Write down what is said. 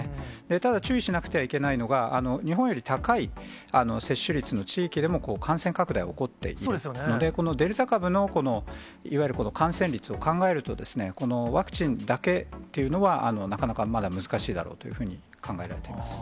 ただ、注意しなくてはいけないのが、日本より高い接種率の地域でも、感染拡大は起こっているので、このデルタ株のいわゆる感染率を考えると、ワクチンだけっていうのは、なかなかまだ難しいだろうというふうに考えられています。